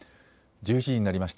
１１時になりました。